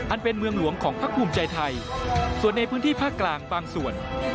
เป็นเมืองหลวงของพักภูมิใจไทยส่วนในพื้นที่ภาคกลางบางส่วน